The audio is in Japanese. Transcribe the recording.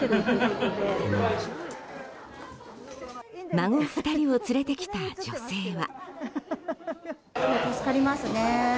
孫２人を連れてきた女性は。